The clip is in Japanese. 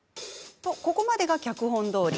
ここまでは脚本どおり。